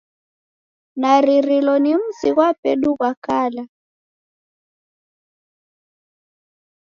Naririlo ni mzi ghwa pedu ghwa kala.